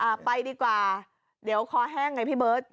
ไปดีกว่าเดี๋ยวคอแห้งไงพี่เบิร์ต